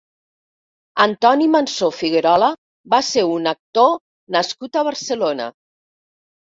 Antoni Mansó Figuerola va ser un actor nascut a Barcelona.